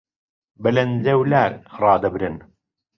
بەلەنجەولار ڕادەبرن